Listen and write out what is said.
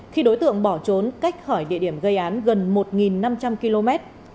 khi đối tượng bỏ trốn cách khỏi địa điểm gây án gần một năm trăm linh km